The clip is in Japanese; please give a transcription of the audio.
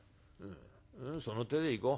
その手でいこう。